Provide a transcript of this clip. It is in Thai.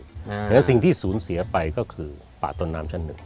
เพราะฉะนั้นสิ่งที่สูญเสียไปก็คือป่าต้นน้ำชั้นหนึ่ง